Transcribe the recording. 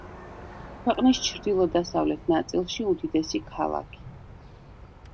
ქვეყნის ჩრდილო-დასავლეთ ნაწილში უდიდესი ქალაქი.